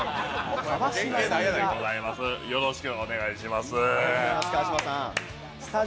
よろしくお願いします。